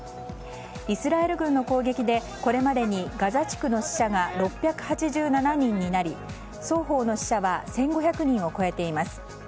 イスラエル軍の攻撃でこれまでにガザ地区の死者が６８７人になり、双方の死者は１５００人を超えています。